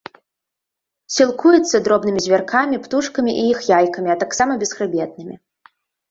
Сілкуецца дробнымі звяркамі, птушкамі і іх яйкамі, а таксама бесхрыбетнымі.